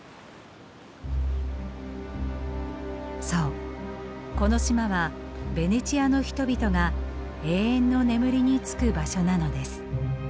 そうこの島はベネチアの人々が永遠の眠りにつく場所なのです。